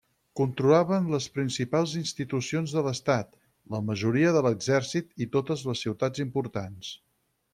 Controlaven les principals institucions de l'estat, la majoria de l'exèrcit i totes les ciutats importants.